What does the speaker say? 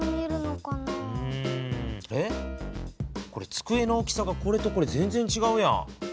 ⁉つくえの大きさがこれとこれ全然ちがうやん。